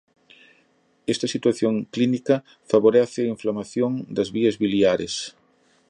Esta situación clínica favorece a inflamación das vías biliares.